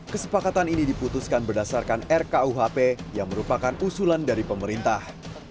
kesepakatan ini diputuskan berdasarkan rkuhp yang merupakan usulan dari pemerintah